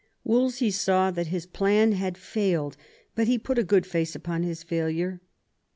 Wolsey saw that his plan had failed, but he put a good face upon his failure.